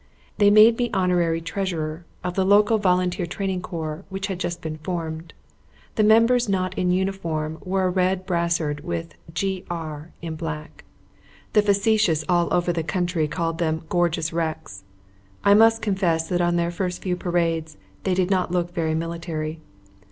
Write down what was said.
They made me Honorary Treasurer of the local Volunteer Training Corps which had just been formed. The members not in uniform wore a red brassard with "G.R." in black. The facetious all over the country called them "Gorgeous Wrecks." I must confess that on their first few parades they did not look very military.